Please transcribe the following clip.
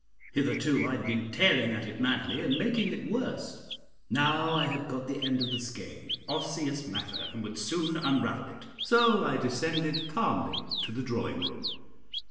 Hitherto I had been tearing at it madly and making it worse; now I had got the end of the skein "osseous matter" and would soon unravel it. So I descended calmly to the drawing room.